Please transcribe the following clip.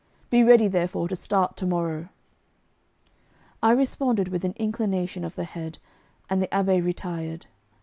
Be ready, therefore, to start to morrow.' I responded with an inclination of the head, and the Abbé retired.